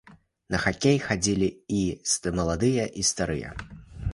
На хакей хадзілі і маладыя, і старыя.